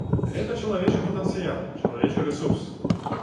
Гэта чалавечы патэнцыял, чалавечы рэсурс.